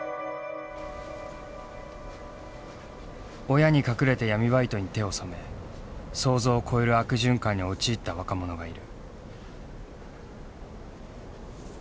親に隠れて闇バイトに手を染め想像を超える悪循環に陥った若者がいる。